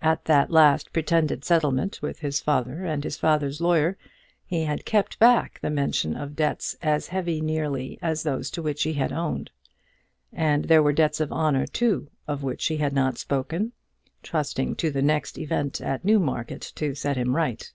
At that last pretended settlement with his father and his father's lawyer, he had kept back the mention of debts as heavy nearly as those to which he had owned; and there were debts of honour, too, of which he had not spoken, trusting to the next event at Newmarket to set him right.